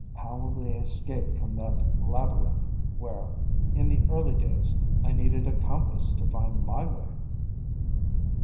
How will they escape from that labyrinth, where, in the early days, I needed a compass to find my way?